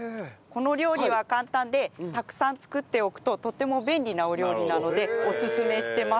この料理は簡単でたくさん作っておくととても便利なお料理なのでオススメしてます。